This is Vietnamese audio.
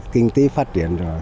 kinh tế phát triển rồi